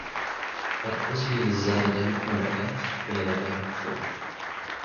ካብ ቊስሊ ንዝዛሪ ደም ንምዕጋት ገለ ነገር ግበር።